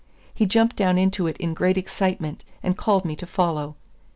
He jumped down into it in great excitement, and called me to follow.